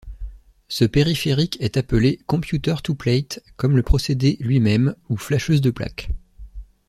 Ce périphérique est appelé computer-to-plate, comme le procédé lui-même, ou flasheuse de plaque.